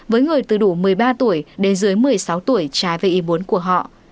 với người từ đủ một mươi ba tuổi đến dưới một mươi sáu tuổi trái về ý muốn của họ